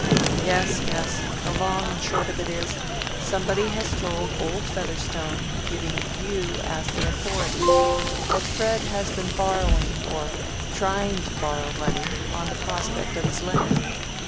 "Yes, yes. The long and short of it is, somebody has told old Featherstone, giving you as the authority, that Fred has been borrowing or trying to borrow money on the prospect of his land.